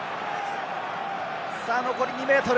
残り２ｍ。